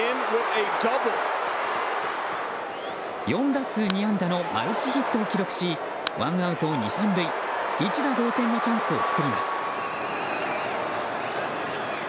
４打数２安打のマルチヒットを記録しワンアウト２、３塁一打同点のチャンスを作ります。